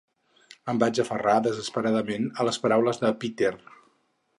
Em vaig aferrar desesperadament a les paraules de Peter.